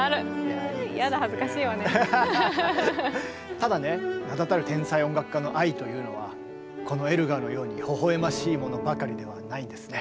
ただね名だたる天才音楽家の愛というのはこのエルガーのようにほほ笑ましいものばかりではないんですね。